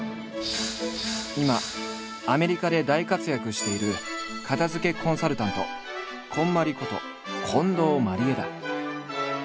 今アメリカで大活躍している片づけコンサルタント「こんまり」こと近藤麻理恵だ。